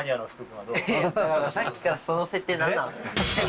さっきからその設定何なんすか？